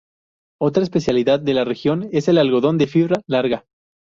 Otra especialidad de la región es el algodón de fibra larga.